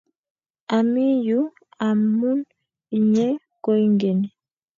ami u amun inye koing'eny